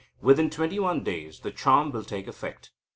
Within twenty one days, the charm will take effect.